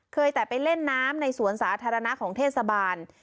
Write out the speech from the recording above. แต่ไปเล่นน้ำในสวนสาธารณะของเทศบาล